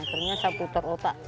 akhirnya saya putar otak